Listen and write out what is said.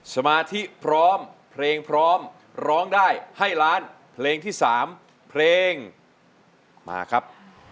สมาธิพร้อมเพลงพร้อมร้องได้ให้ล้านเพลงที่๓เพลงมาครับ